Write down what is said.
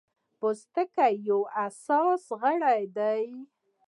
پوستکی یو حسي غړی دی.